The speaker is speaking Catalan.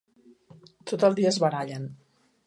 Tot el dia es barallen.